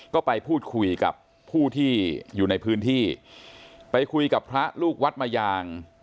ก็ไปพูดคุยกับผู้ที่อยู่ในพื้นที่ไปคุยกับพระลูกวัดมายาง